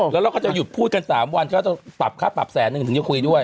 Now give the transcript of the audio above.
แล้วเราก็จะหยุดพูดกัน๓วันก็จะปรับค่าปรับแสนนึงถึงจะคุยด้วย